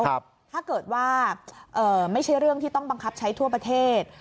ถ้าเกิดว่าไม่ใช่เรื่องที่ต้องบังคับใช้ทั่วประเทศ